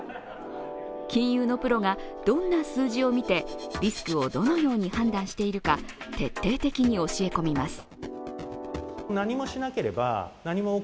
金融のプロがどんな数字を見てリスクをどのように判断しているか徹底的に教え込みます。